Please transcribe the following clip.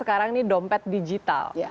sekarang ini dompet digital